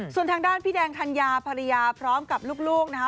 ส่วนทางด้านพี่แดงธัญญาภรรยาพร้อมกับลูกนะคะ